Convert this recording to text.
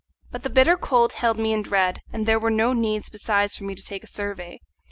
But the bitter cold held me in dread, and there was no need besides for me to take a survey.